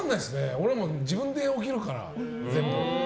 俺は自分で起きるから、全部。